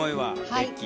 はい。